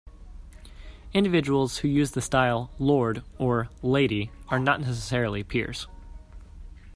Individuals who use the style "Lord" or "Lady" are not necessarily peers.